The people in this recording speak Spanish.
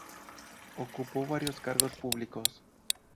Ocupó varios cargos públicos.